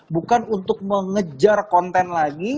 bukan untuk mengejar konten lagi